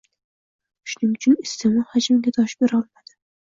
Shuning uchun isteʼmol hajmiga dosh berolmadi